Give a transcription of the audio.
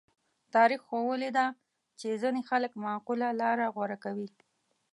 تاریخ ښوولې ده چې ځینې خلک معقوله لاره غوره کوي.